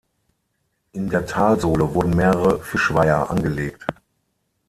In der Talsohle wurden mehrere Fischweiher angelegt.